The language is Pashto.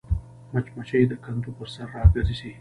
مچمچۍ د کندو پر سر راګرځي